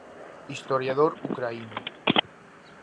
Historiador ucraíno.